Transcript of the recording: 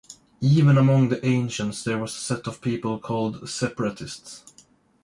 Even among the ancients there was a set of people called separatists.